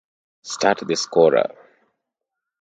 Start the scorer